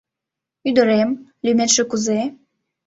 — Ӱдырем, лӱметше кузе?